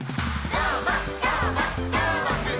「どーもどーもどーもくん！」